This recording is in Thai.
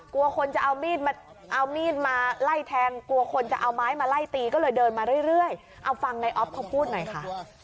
กลัวคนจะเอามีดมาเอามีดมาไล่แทงกลัวคนจะเอาไม้มาไล่ตีก็เลยเดินมาเรื่อยเอาฟังในออฟเขาพูดหน่อยค่ะ